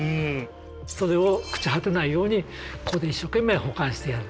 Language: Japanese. それを朽ち果てないようにここで一生懸命保管してやる。